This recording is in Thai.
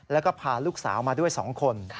แล้วก็พาลูกสาวมาด้วย๒คน